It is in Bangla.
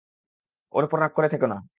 ওর উপর রাগ করে থেকো না।